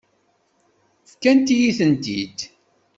Fkant-iyi-tent-id.